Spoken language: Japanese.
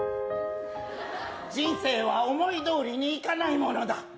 人生は思い通りにいかないものだ。